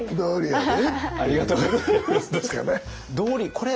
ありがとうございます。